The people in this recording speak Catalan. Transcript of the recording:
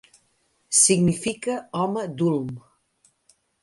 Significa "home d'Ulm".